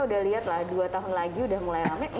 udah lihat lah dua tahun lagi udah mulai rame